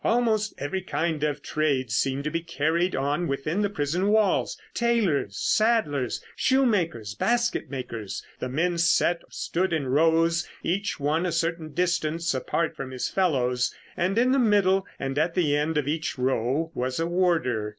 Almost every kind of trade seemed to be carried on within the prison walls. Tailors, saddlers, shoemakers, basket makers. The men sat or stood in rows, each one a certain distance apart from his fellows; and in the middle and at the end of each row was a warder.